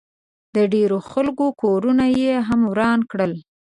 د ډېرو خلکو کورونه ئې هم وران کړل